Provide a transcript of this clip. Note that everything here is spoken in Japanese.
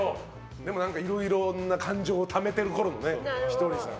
でもいろいろな感情をためている時のひとりさん。